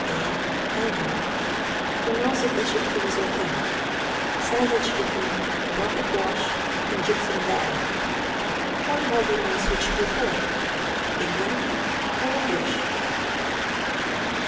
hot soid be azh e Cafion" (pronounce it as you please or can) sandwiched between "Gothic Wash" and "Gypsum Valley "— one hardly knows which to prefer, Indian or English.